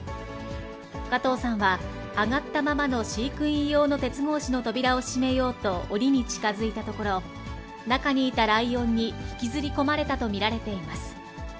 加藤さんは上がったままの飼育員用の鉄格子の扉を閉めようとおりに近づいたところ、中にいたライオンに引きずり込まれたと見られています。